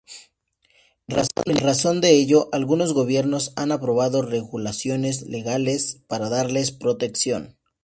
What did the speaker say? En razón de ello, algunos gobiernos han aprobado regulaciones legales para darles protección.